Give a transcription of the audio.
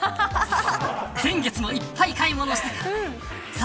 先月もいっぱい買い物したからな。